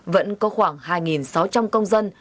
vẫn có khoảng hai sáu trăm linh công dân